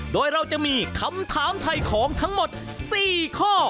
โดยเราจะมีคำถามถ่ายของทั้งหมด๔ข้อ